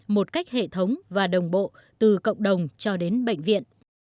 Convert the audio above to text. một cách hệ thống và đồng bộ từ cộng đồng cho đến bệnh viện